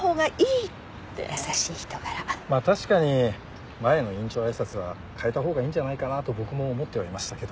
まあ確かに前の院長挨拶は変えたほうがいいんじゃないかなと僕も思ってはいましたけど。